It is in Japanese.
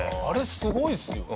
あれすごいな。